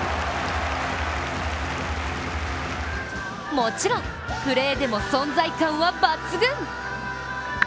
もちろん、プレーでも存在感は抜群。